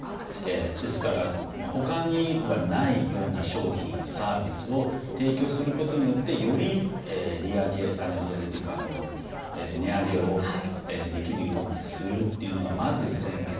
ですから、他にはないような商品サービスを提供することによってより値上げをできるようにするというのがまず先決。